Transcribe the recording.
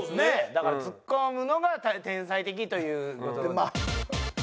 だからツッコむのが天才的という事。